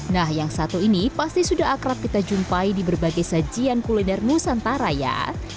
nah yang satu ini pasti sudah akrab kita jumpai di berbagai sajian kuliner nusantara ya